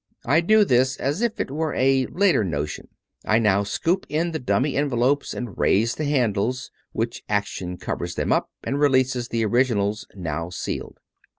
I do this as if it were a later notion. I now scoop in the dummy envelopes, and raise the handle, which ac tion covers them up and releases the originals (now sealed).